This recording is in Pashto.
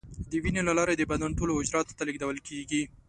د وینې له لارې د بدن ټولو حجراتو ته لیږدول کېږي.